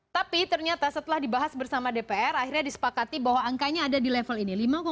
tapi ternyata setelah dibahas bersama dpr akhirnya disepakati bahwa angkanya ada di level ini